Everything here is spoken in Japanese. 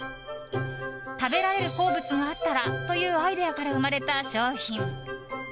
食べられる鉱物があったらというアイデアから生まれた商品。